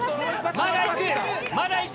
まだ行く！